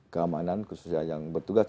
keamanan khususnya yang bertugas